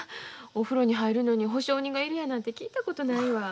お風呂に入るのに保証人がいるやなんて聞いたことないわ。